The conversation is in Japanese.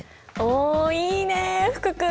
おいいねえ福君！